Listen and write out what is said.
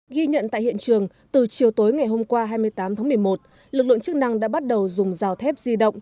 ghi nhận tại hiện trường từ chiều tối ngày hôm qua hai mươi tám tháng một mươi một lực lượng chức năng đã bắt đầu dùng rào thép di động